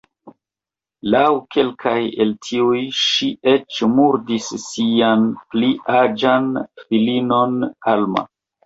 Laŭ kelkaj el tiuj ŝi eĉ murdis sian pli aĝan filinon Alma.